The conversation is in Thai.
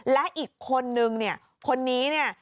และอีกคนนึงคนนี้นี่